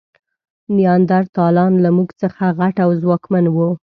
نیاندرتالان له موږ څخه غټ او ځواکمن وو.